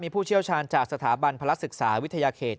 ผู้เชี่ยวชาญจากสถาบันพลักษึกษาวิทยาเขต